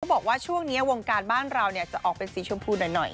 บอกว่าช่วงนี้วงการบ้านเราจะออกเป็นสีชมพูหน่อย